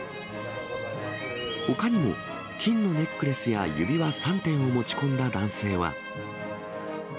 ほかにも金のネックレスや指輪３点を持ち込んだ男性は。